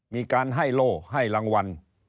มีการให้โล่ให้รางวัล